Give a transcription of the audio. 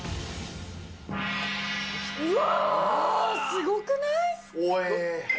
うわー、すごくない？